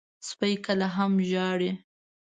سپي کله هم ژاړي.